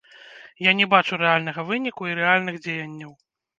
Я не бачу рэальнага выніку і рэальных дзеянняў.